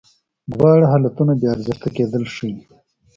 دواړه حالتونه بې ارزښته کېدل ښیې.